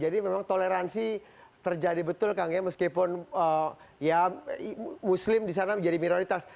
jadi memang toleransi terjadi betul kang ya meskipun ya muslim di sana menjadi minoritas